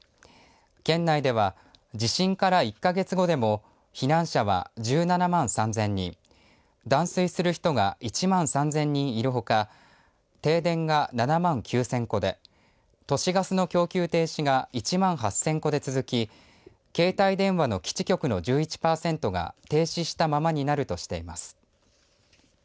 県内では地震から１か月後でも避難者は１７万３０００人断水する人が１万３０００人いるほか停電が７万９０００戸で都市ガスの供給停止が１万８０００戸で続き携帯電話の基地局の１１パーセントが停止したままになるとしています。